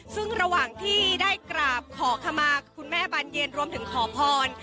ซึ่งระหว่างที่ได้กราบขอขมาคุณแม่บานเย็นรวมถึงขอพร